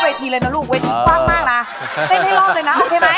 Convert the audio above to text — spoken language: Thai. ยังเพราะความสำคัญ